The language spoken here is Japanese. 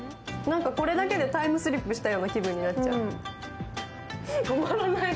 なんかこれだけでタイムスリップしたような気分になっちゃう。